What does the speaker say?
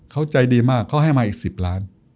เขาใจดีมากเขาให้มาอีก๑๐ล้าน